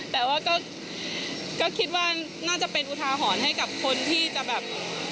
แต่ว่าก็คิดว่าน่าจะเป็นอุทาหรณ์ให้กับคนที่จะแบบ